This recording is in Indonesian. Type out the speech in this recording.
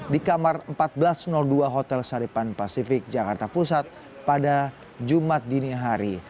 di kamar seribu empat ratus dua hotel saripan pasifik jakarta pusat pada jumat dini hari